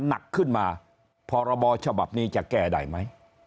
หนักขึ้นมาพรบฉบับนี้จะแก้ได้ไหม